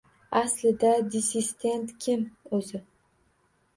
Aslida “dissident” kim o‘zi?